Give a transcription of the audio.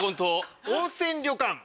「温泉旅館」。